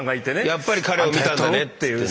「やっぱり彼を見たんだね」